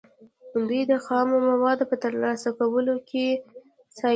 دوی د خامو موادو په ترلاسه کولو کې سیالي کوي